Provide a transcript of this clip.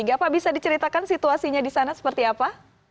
bapak bisa diceritakan situasinya di sana seperti apa